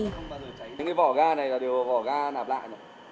những cái vỏ ga này là đều vỏ ga nạp lại